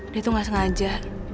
dia tuh nggak sengaja